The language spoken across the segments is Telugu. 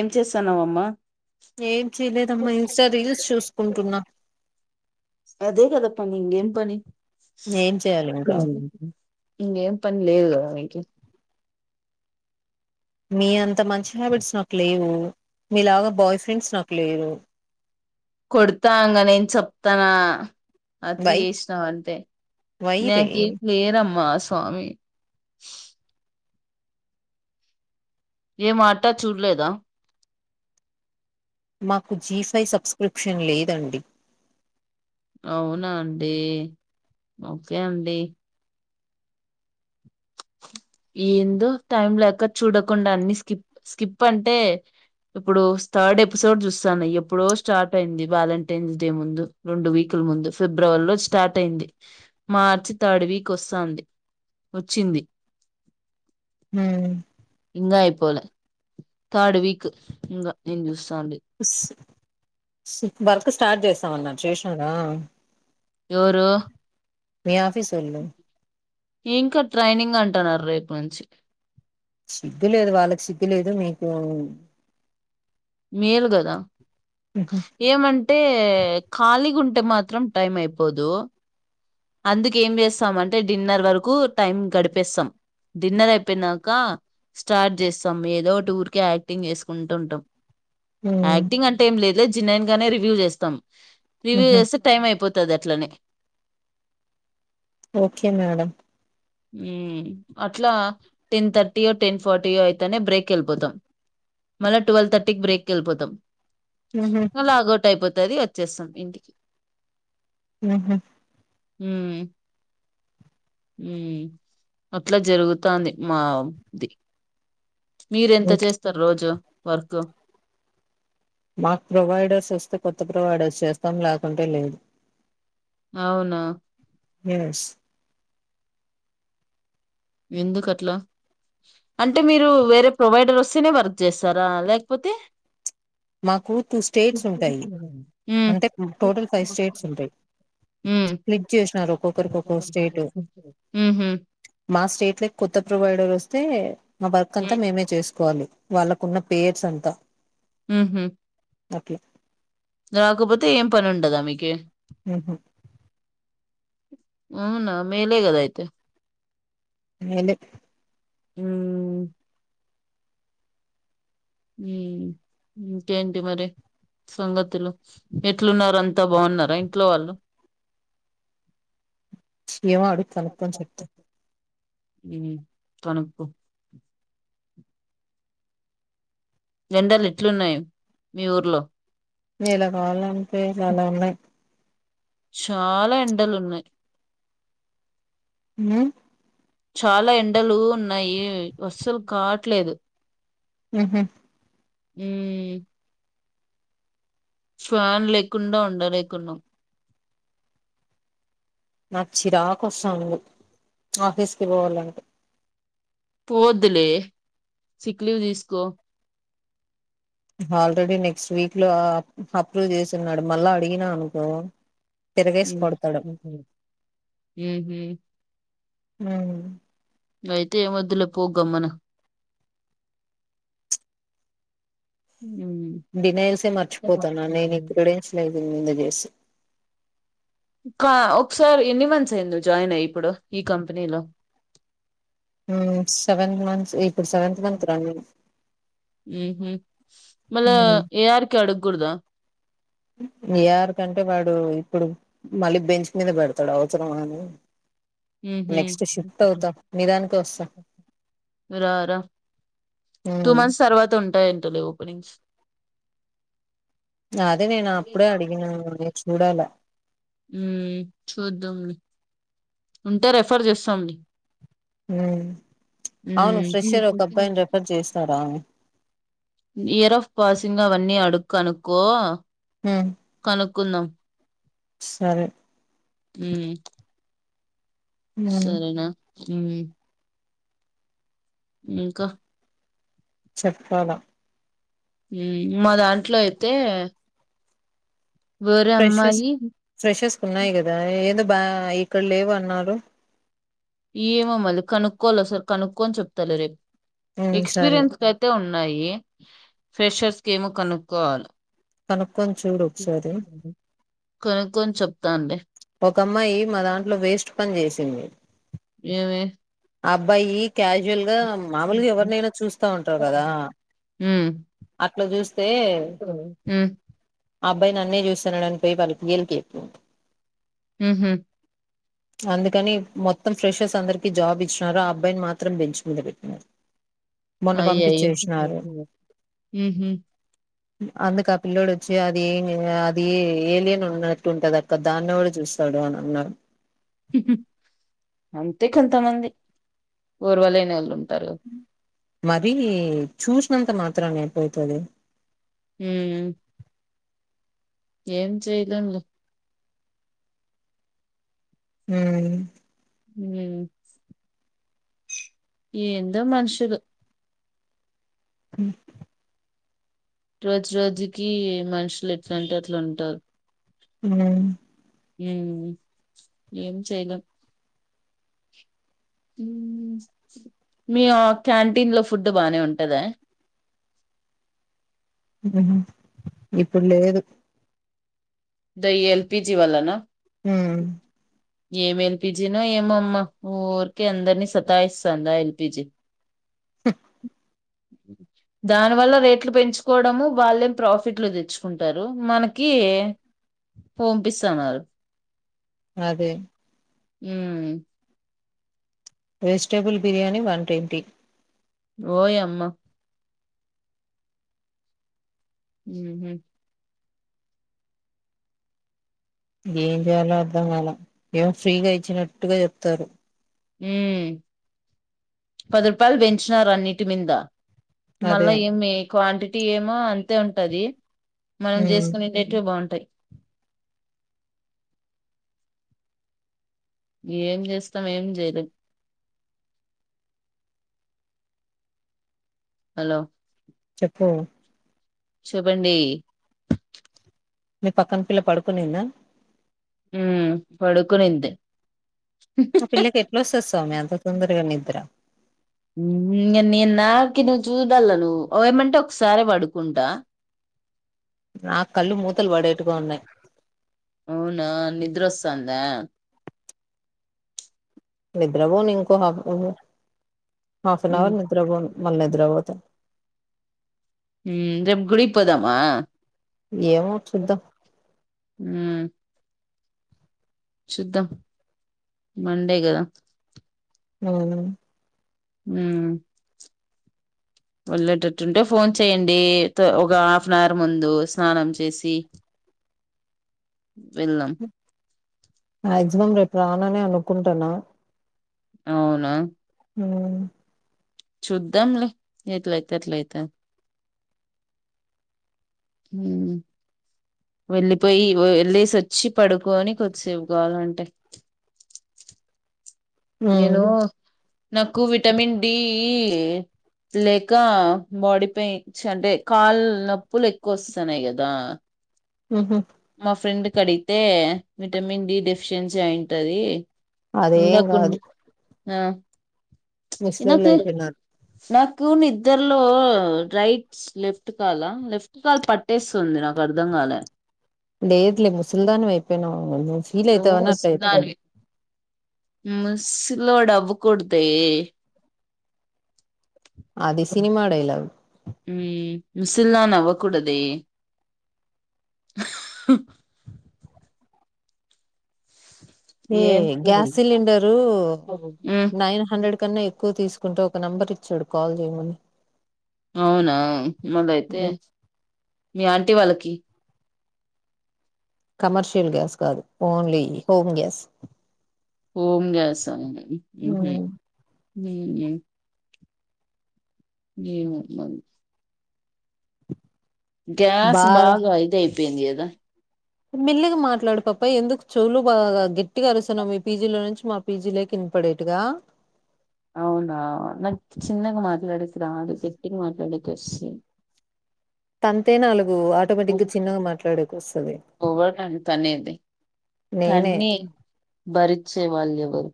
ఏం చేస్తాన్నావమ్మా ఏం చేయలేదమ్మా ఇంస్టా రీల్స్ చూసుకుంటున్నా అదే గదా పని ఇంకేం పని ఏం చేయాలి ఇంకా ఇంకేం పనిలేదు కదా అకి మీ అంత మంచి హ్యాబిట్స్ నాకు లేవు మీలాగా బాయ్ ఫ్రెండ్స్ నాకు లేరు కొడుతాంగా నేను చెప్తనా అతి వై చేసినవంటే వై రే నాకేం లేరమ్మా అస్ స్వామి ఏ మాట చూడలేదా మాకు జీ ఫై సబ్స్క్రయిప్షన్ లేదండి అవునా అండి ఓకే అండి ఏందో టైం లేక చూడకుండా అన్ని స్కిప్ స్కిప్ అంటే ఇప్పుడు థర్డ్ ఎపిసోడ్ చూస్తన్న ఎప్పుడో స్టార్ట్ అయింది వ్యాలంటైన్స్ డే ముందు రెండు వీక్లు ముందు ఫిబ్రవరిలో స్టార్ట్ అయింది మార్చ్ థర్డ్ వీక్ వస్తంది ఒచ్చింది మ్ ఇంగ అయిపోలే తడ్ వీక్ ఇంగ చూస్ స్ వర్క్ స్టార్ట్ చేస్తామన్న చేశానా ఎవరు మీ ఆఫీసొళ్ళు ఇంకా ట్రైనింగ్ అంటున్నారు రేపనుంచి సిగ్గు లేదు వాళ్ళకి సిగ్గు లేదు మీకు మేల్ కదా ఏమంటే ఇ ఖళీగుంటే మాత్రం టైమైపోదు అందుకే ఏం చేస్తాం అంటే డిన్నర్ వరకు టైం గడిపేస్తాం డిన్నర్ అయిపోయినాకా స్టార్ట్ చేస్తాం ఏదో టూర్ కె యాక్టింగ్ చేసుకుంటుంటాం హ్మ్. యాక్టింగ్ అంటే ఏం లేదులే జిన్నన్ గానే రివ్యూ చేస్తాం రివ్యూ హుహు. చేస్తే టైం అయిపోతు ది అట్లనే ఓకే మేడం ఉ అట్లా టెన్ థర్టీయో టెన్ ఫార్టీయో అయితేనే బ్రేక్ వెళ్ళిపోతాం మళ్ళ ట్వెల్వ్ థర్టీకి బ్రేక్కి వెళ్ళిపోతాం హుహు. లాగౌట్ అయిపోతది వచ్చేస్తాం ఇంటికి ఉహ్ ఉ ఉ అట్లా జరుగుతంది మా ది మీరెంత హ్మ్. చేస్తారు రోజు వర్క్ మాకు ప్రొవైడర్స్ ఇస్తే కొత్త ప్రొవైడర్స్ చేస్తాం లేకుంటే లేదు అవునా ఎస్ ఎందుకట్ల అంటే మీరు వేరే ప్రొవైడర్ వస్తేనే వర్క్ చేస్తారా లేకపోతే మాకు టూ స్టేట్స్ ఉంటాయి ఉమ్ అంటే టోటల్ ఫైవ్ స్టేట్స్ ఉంటాయి ఉమ్ స్ప్లిట్ చేసినారు ఒక్కరికిఒక్కో స్టేట్ ఉహు మా స్టేట్ లో కొత్త ప్రో వైడర్ వస్తే మా వర్క్ అంతా మేమే చేసుకోవాలి వాళ్ళకు ఉన్న పేర్స్ అంతా ఉహ్ అట్లా రాకపోతే ఏం పని ఉండదా మీకి ఉహ్ అవునా మేలే కదా అయితే మేలే ఉమ్ ఉ ఇంకేంటి మరి సంగతులు ఎట్లున్నారు అంతా బాగున్నారా ఇంట్లో వాళ్ళు ఏమో అడుగ కనుక్కుని చెప్తా ఉ కనుకో ఎండలు ఎట్లున్నాయి మీ ఊర్లో నీలా కావాలంటే అలా ఉన్నాయి చాలా ఎండలు ఉన్నాయి హు చాలా ఎండలు ఉన్నాయి అస్సలు కావట్లేదు ఉహ్ ఉ ఫ్యాన్ లేకుండా ఉండలేకునం నాకు చిరాకు వస్తంది ఆఫీస్ కి పోవాలంటే. వద్దులే సిక్ లీవ్ తీసుకో. ఆల్రెడీ నెక్స్ట్ వీక్ లో అప్ అప్రూవ్ చేసిన్నాడు మళ్ళా అడిగినా అనుకో. తిరగేసి కొడతాడు ఉమ్. ఉమ్ అయితే ఏం వద్దులే పో గమ్మన నిన్నుచూసే మర్చిపోతన్నా నేను ఈ ప్లేస్ లేదు ముందు చేసి క్క ఒకసారి ఎన్ని మంత్స్ అయింది జాయిన్ అయి ఇప్పుడు ఈ కంపెనీలో ఆహ్ సెవెన్ మంత్స్ ఇప్పుడు సెవెంత్ మంత్ రన్నింగ్. ఉమ్ హు మళ్ల హ్మ్. ఏ ఆర్కే అడగకూడద. మీయర్కంటే వాడు ఇప్పుడు మళ్ళీ బెంచ్ మీద పెడతాడు అవసరమా అని. ఉహు నెక్స్ట్ షిఫ్ట్ అవుతా మీ దానికే వస్తా. ఆహ్ రా టూ మ్మ్ మంత్స్ తర్వాత ఉంటాయి. Hello openings. అదే నేనప్పుడే అడిగిన నేను చూడాలా. ఉమ్ చూద్దాం ఉంటే రెఫర్ చేస్తాం. ఉమ్ అవును ఫ్రెషర్ ఒక అబ్బాయిని రెఫర్ చేస్తారా. ఇయర్ ఆఫ్ పాసింగ్ అవన్నీ అడుకు అనుకో. ఉమ్. కుందాం. సరే. ఉమ్. మ్మ్ సరేనా ఉమ్. ఇంకా. చెప్పాలా. ఉమ్ మా దాంట్లో అయితే. వేరే ఫ్రెషెస్ అమ్మాయి ఫ్రెషెస్ కు ఉన్నాయి కదా ఏదో బా ఇక్కడ లేవు అన్నారు. ఏమో మల్ల కనుక్కోలసలు కనుక్కోని చెప్తాలే రేపు మ్మ్ సరే ఎక్స్పీరియన్స్ కయితే ఉన్. ఉన్నాయి ఫ్రెషర్స్కేమో కనుక్కోవాలి. కనుక్కొని చూడు ఒకసారి. కొని చెప్తానులే. ఒక అమ్మాయి మా దాంట్లో వేస్ట్ పని చేసింది. ఏమీ. అబ్బాయి క్యాజువల్ గా మామూలుగా ఎవరినైనా చూస్తా ఉంటారు కదా. ఉమ్ అట్లా చూస్తే. ఉమ్ అబ్బాయి నన్నే చూస్తున్నాడని పోయి వాళ్ళ గెలికే చెప్పింది. ఉమ్ హు. అందుకని మొత్తం ఫ్రెషర్స్ అందరికి జాబ్ ఇ. చ్చారా ఆ అబ్బాయిని మాత్రం బెంచ్ మీద పెట్టినారు. మొన్న అయ్యాయ్యో పంపించేసినారు ఉమ్ హు. అందుకా ఆ పిల్ల్లోడు వచ్చి అది అది ఏలియన్ ఉన్నట్టుంటది అక్క దాన్నేవరు చూస్తారు. తాడు అని అన్నాడు. హుహు అంతే కొంతమంది ఓర్వలేనొళ్లుంటరు. మరీ చూసినంత మాత్రం అయిపోతద. ఉమ్. ఏం చేయలేంలే. ఉమ్. ఉమ్. ఏందో మనుషులు. ఉమ్. రోజు రోజుకి మనుషులు ఎట్లంటే అట్లా ఉంటారు. మ్ మ్ ఏం చేయలేం మ్ మీ ఆ క్యాంటీన్ లో ఫుడ్డ్ బానే ఉంటదా ఉమ్ ఇప్పుడు లేదు. The LPG వల్లనా. మ్ ఏం ఎల్పిజినో ఏమోమ్మ ఊరికే అందరినీ సతాయిస్తందా ఎల్పిజీ దాని వల్ల రేట్లు పెంచుకోవడము వాళ్ళే ప్రాఫిట్లు తెచ్చుకుంటారు మనకీ పొంపిస్తన్నారు అదే మ్ వెజిటేబుల్ బిర్యానీ వన్ ట్వంటీ ఓయమ్మ మ్ హు ఎంజేయాలో అర్థం కాల ఏం ఫ్రీగా ఇచ్చినట్టుగా చెప్తారు మ్ పది రూపాయలు పెంచినారు అన్నిటిమింద అదే మళ్ళా ఏమి క్వాంటిటీ ఏమో అంతే ఉంటది మనం ఉమ్ చేసుకునే రేట్లు బాగుంటాయ్ ఏం జేస్తాం ఏం జేయలేం హలో చెప్పూ చెప్పండీ మీ పక్కన పిల్ల పడుకునిందా మ్ పడుకునింది ఆ పిల్లకెట్లోస్తది స్వామి అంత తొందరగా నిద్ర నేను నాకి నువ్వు చూడాల నువ్వు ఏమంటే ఒకసారె పడుకుంటా నా కళ్ళు మూతలు పడేట్టుగా ఉన్నాయ్ అవునా నిద్రొస్తాందా నిద్ర పోను ఇంకో హఫ్ నవర్ ఉమ్ హాఫనవర్ నిద్ర పోను మళ్ళ నిద్రపోతే మ్ రేప్ గుడిక్ పోదామా ఏమో చూద్దాం ఉమ్ చూద్దాం మండే కదా మ్ మ్ వెళ్ళేటట్టుంటే ఫోన్ చేయండి ఒక హాఫ్ అనావర్ ముందు స్నానం చేసి వెళ్దాం మ్యాక్సిమం రేప్ రాననే అనుకుంటున్నా అవునా మ్ చూద్దాం లే ఎట్లయితే అట్లయితది మ్ వెళ్లిపోయి ఇగో వెళ్ళేసొచ్చి పడుకోని కొద్దిసేపుకావాలంటే ఉమ్ నేను నాకు విటమిన్ డీ లేక బాడీ పెయిన్స్ అంటే కాల్ నొప్పులు ఎక్కువొస్తున్నయి కదా ఉహు మా ఫ్రెండ్ కడిగితే విటమిన్ డి డెఫిషియన్సీ అయింటదీ అదేం కాదు ఆ నాకు ముస్లోలైపోయినారు నాకు నిద్దర్లో రైట్స్ లెఫ్ట్ కాల లెఫ్ట్ కాలు పట్టేస్తుంది నాకు అర్దంగాలే లేదు లే ముస్లల్ధానివి అయిపోయనావు నువ్వు ఫీలైతావని అట్ల చెప్పినాను ముస్లోడవ్వకూడదే అది సినిమా డైలాగ్ హుమ్ ముసల్దనవ్వకూడదే అహూ ఈ ఏం మ్మ్ గ్యాస్ సిలిండరు నైన్ హండ్రెడ్ కన్నా ఎక్కువ తీస్ కుంటు ఒక నెంబర్ ఇచ్చాడు కాల్ చేయమని అవునా మళ్ళైతే మీ ఆంటీ వాళ్ళకియ్ కమర్షల్ గ్యాస్ కాదు only home gas home gas అండి మ్ హు హుమ్ ఏమొ మరి గ్యాస్ బార్ బాగా ఇదైపోయింది కదా మెల్లిగా మాట్లాడు పాప ఎందుకు చోలు బాగా గట్టిగా అరుస్తున్నావ్ మీ పీజీలో నుంచి మా పీజీలో కిన్ పడేట్టుగా ఔనా నాకు చిన్నగా మాట్లాడేకి రాదు గట్టిగా మాట్లాడేకోస్తాది తంతే నాలుగు ఆటోమేటిక్గా చిన్నగా మాట్లాడేకోస్తది ఎవరు తనేది తన్ని భరిచ్చే వాళ్ళేవరు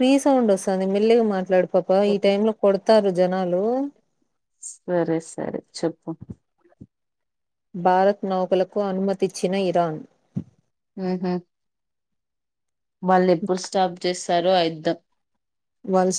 రీ సౌండ్ ఓస్తాంది మెల్లిగా మాట్లాడు పాప ఈ టైమ్లో కొడ్తారు జనాలు సరే సరే చెప్పు భారత్ నౌకలకు అన్మతిచ్చిన ఇరాన్ మ్ హు వాళ్ళేప్పుడు స్టాప్ చేస్తారో అయుద్ధం వాళ్స్